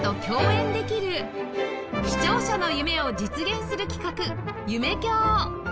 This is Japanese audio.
視聴者の夢を実現する企画夢響